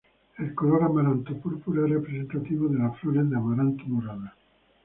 El color amaranto púrpura es representativo de las flores de amaranto moradas.